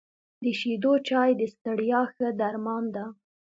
د شيدو چای د ستړیا ښه درمان ده .